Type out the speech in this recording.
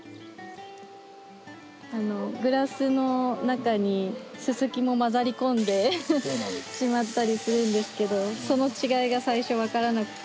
グラスの中にススキも交ざり込んでしまったりするんですけどその違いが最初分からなくて。